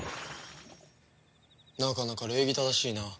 なかなか礼儀正しいな。